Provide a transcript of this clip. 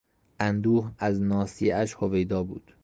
اندوه از ناصیهاش هویدا بود.